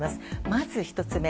まず１つ目。